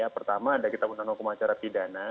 pertama ada kita menanamu kemacara pidana